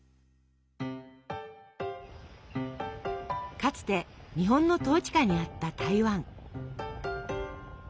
かつて日本の統治下にあった台湾。